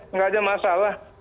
nggak ada masalah